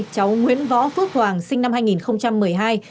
cháu nguyễn võ phước hoàng sinh năm hai nghìn một mươi hai